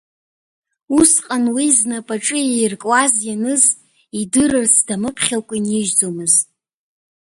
Усҟан уи знапаҿы ииркуаз ианыз идырырц дамыԥхьакәа инижьӡомызт.